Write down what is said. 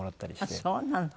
あっそうなの。